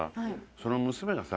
その娘がさ